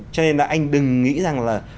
cho nên là anh đừng nghĩ rằng là